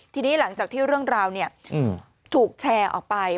ทีนี้หลังจากที่เรื่องราวถูกแชร์ออกไป